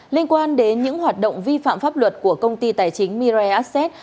liên quan đến những hoạt động vi phạm pháp luật của công ty tài chính mirai assets